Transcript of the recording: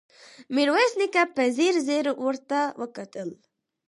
ميرويس نيکه په ځير ځير ورته وکتل.